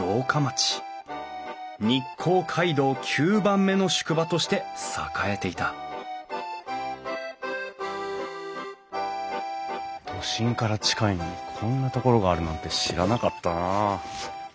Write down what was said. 日光街道９番目の宿場として栄えていた都心から近いのにこんな所があるなんて知らなかったなあ。